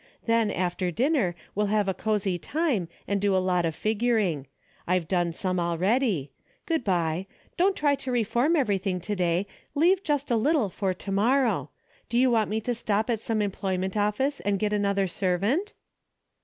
Then after dinner we'll have a cozy time and do a lot of figuring. I've done some already. Good bye. Don't try to reform everything to day, leave just a little for to morrow. Do you want me to stop at some employment of fice and get another servant